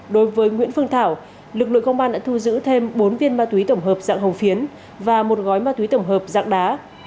đối với nguyễn phương thảo lực lượng công an đã thu giữ thêm bốn viên ma túy tổng hợp dạng hồng phiến và một gói ma túy tổng hợp dạng đá